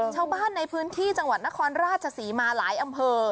ชาวบ้านในพื้นที่จังหวัดนครราชศรีมาหลายอำเภอ